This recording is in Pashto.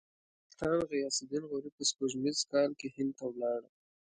سلطان غیاث الدین غوري په سپوږمیز کال کې هند ته ولاړ.